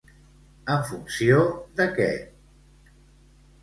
En funció de què?